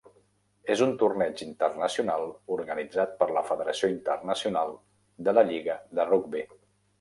És un torneig internacional organitzat per la Federació Internacional de la Lliga de Rugbi.